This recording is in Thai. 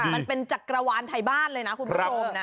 มันเป็นจักรวาลไทยบ้านเลยนะคุณผู้ชมนะ